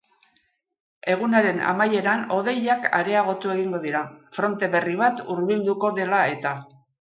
Egunaren amaieran hodeiak areagotu egingo dira, fronte berri bat hurbilduko dela eta.